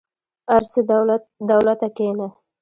ارڅه دولته کينه.